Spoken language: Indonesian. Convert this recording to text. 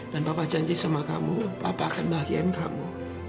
dan bapak janji sama kamu bapak akan bahagiain kamu